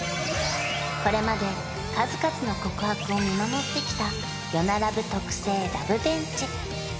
これまで数々の告白を見守ってきた夜なラブ特製ラブベンチ